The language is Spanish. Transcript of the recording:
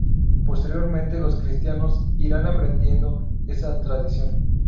Posteriormente los cristianos irán aprendiendo esta tradición.